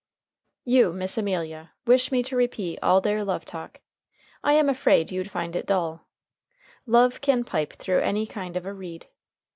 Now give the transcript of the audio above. You, Miss Amelia, wish me to repeat all their love talk. I am afraid you'd find it dull. Love can pipe through any kind of a reed.